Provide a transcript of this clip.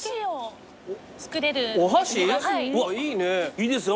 いいですね